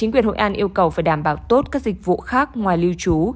chính quyền hội an yêu cầu phải đảm bảo tốt các dịch vụ khác ngoài lưu trú